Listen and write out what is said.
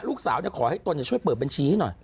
ลูกสาวเนี้ยขอให้ตนช่วยเปิดบัญชีให้หน่อย